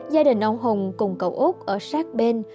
gia đình ông hùng cùng cậu út ở sát bên